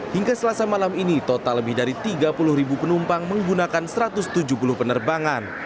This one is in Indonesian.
hingga selasa malam ini total lebih dari tiga puluh ribu penumpang menggunakan satu ratus tujuh puluh penerbangan